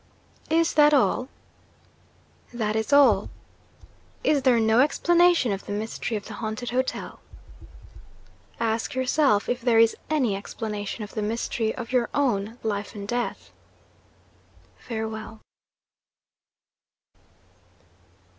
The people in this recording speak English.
Is that all? That is all. Is there no explanation of the mystery of The Haunted Hotel? Ask yourself if there is any explanation of the mystery of your own life and death. Farewell.